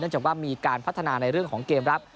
จากว่ามีการพัฒนาในเรื่องของเกมรับ